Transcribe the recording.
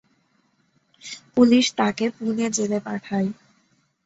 Police তাকে পুনে জেলে পাঠায়।